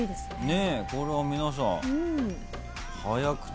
ねえこれは皆さん早くて。